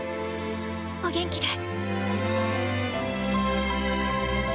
お元気で。